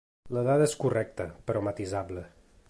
La dada és correcta, però matisable.